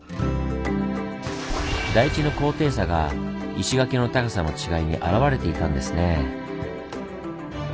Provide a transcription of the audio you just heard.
台地の高低差が石垣の高さの違いにあらわれていたんですねぇ。